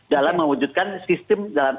dalam mewujudkan sistem